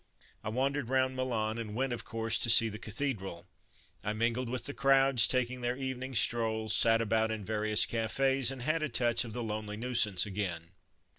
I wandered round Milan and went, of course, to see the cathedral. I mingled with the crowds taking their evening strolls, sat about in various cafes, and had a touch of the "lonely'' nuisance again.